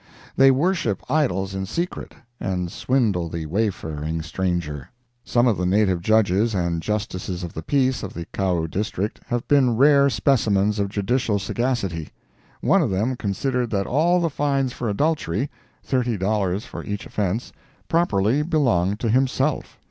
They worship idols in secret, and swindle the wayfaring stranger. Some of the native Judges and Justices of the Peace of the Kau district have been rare specimens of judicial sagacity. One of them considered that all the fines for adultery ($30 for each offense) properly belonged to himself.